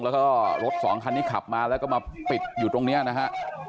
แล้วก็รถสองคันนี้ขับมาแล้วก็มาปิดอยู่ตรงนี้นะฮะ